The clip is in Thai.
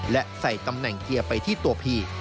และใส่ตำแหน่งเกียร์ไปที่ตัวผี